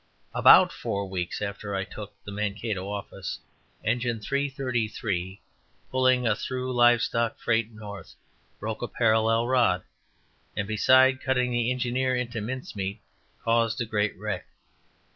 About four weeks after I took the Mankato office, engine 333, pulling a through livestock freight north, broke a parallel rod, and besides cutting the engineer into mince meat, caused a great wreck.